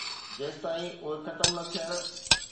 جيستائين اهي ختم نه ٿين